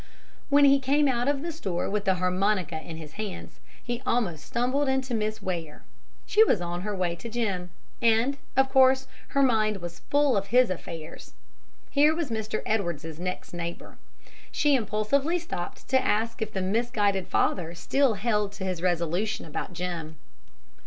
When he came out of the store with the harmonica in his hands, he almost stumbled into Miss Ware. She was on her way to Jim, and, of course, her mind was full of his affairs. Here was Mr. Edwards's next neighbor. She impulsively stopped to ask if the misguided father still held to his resolution about Jim.